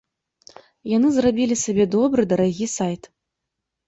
Яны зрабілі сабе добры, дарагі сайт.